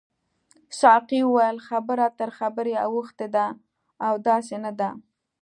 ساقي وویل خبره تر خبرې اوښتې ده او داسې نه ده.